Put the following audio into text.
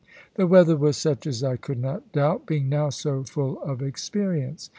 The weather was such as I could not doubt, being now so full of experience.